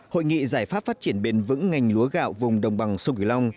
hội nghị giải pháp phát triển bền vững ngành lúa gạo vùng đồng bằng sông cửu long